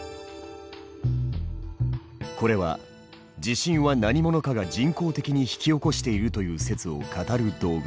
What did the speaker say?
これは地震は何者かが人工的に引き起こしているという説を語る動画。